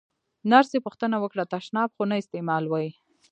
نرسې پوښتنه وکړه: تشناب خو نه استعمالوې؟